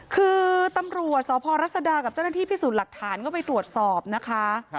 คือตำรวจสพรัศดากับเจ้าหน้าที่พิสูจน์หลักฐานก็ไปตรวจสอบนะคะ